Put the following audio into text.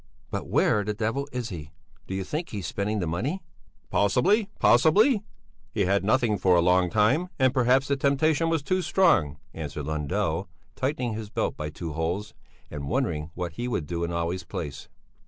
But where the devil is he? Do you think he's spending the money?" "Possibly, possibly! He's had nothing for a long time and perhaps the temptation was too strong," answered Lundell, tightening his belt by two holes, and wondering what he would do in Olle's place.